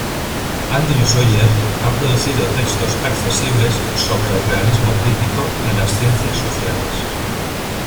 Andrew Sayer ha producido textos accesibles sobre el realismo crítico en las ciencias sociales.